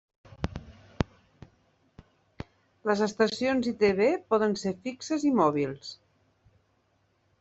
Les estacions ITV poden ser fixes i mòbils.